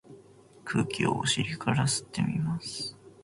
空気をお尻から吸ってみます。